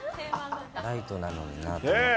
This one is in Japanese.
ライトなのになと思って。